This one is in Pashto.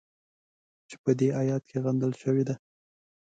چې په دې ایت کې غندل شوې ده.